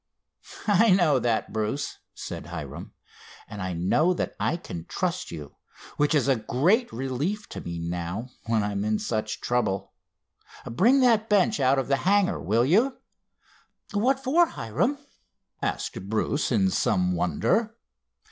"I know that, Bruce," said Hiram, "and I know that I can trust you, which is a great relief to me now, when I'm in such trouble. Bring that bench out of the hangar, will you?" "What for, Hiram?" asked Bruce in some wonder.